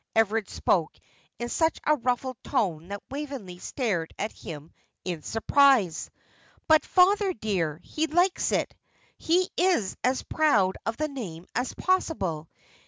Everard spoke in such a ruffled tone that Waveney stared at him in surprise. "But, father, dear, he likes it. He is as proud of the name as possible.